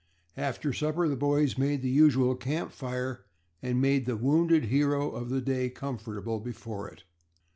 After supper the boys made the usual camp fire and made the wounded hero of the day comfortable before it.